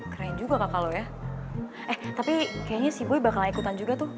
keren juga kakak lo ya eh tapi kayaknya si boy bakal ikutan juga tuh